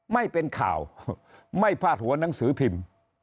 ไม่เป็นข่าวไม่พาดหัวหนังสือพิมพ์